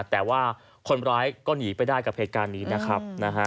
แต่ว่าคนร้ายก็หนีไปได้กับเหตุการณ์นี้นะครับ